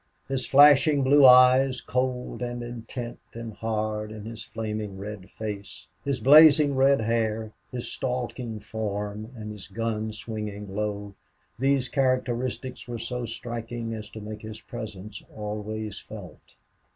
His flashing blue eyes, cold and intent and hard in his naming red face, his blazing red hair, his stalking form, and his gun swinging low these characteristics were so striking as to make his presence always felt.